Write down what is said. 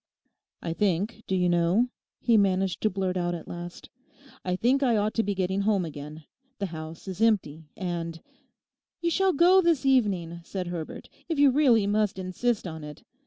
'I think, do you know,' he managed to blurt out at last 'I think I ought to be getting home again. The house is empty—and—' 'You shall go this evening,' said Herbert, 'if you really must insist on it.